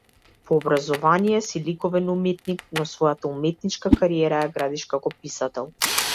По образование си ликовен уметник, но својата уметничка кариера ја градиш како писател.